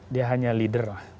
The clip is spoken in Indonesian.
dia hanya leader lah